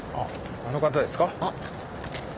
あの方ですか？